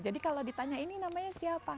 jadi kalau ditanya ini namanya siapa